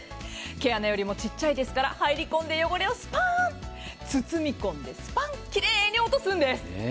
毛穴よりもちっちゃいですから入り込んでスパッ、包み込んでスパッ、きれいに落とすんです。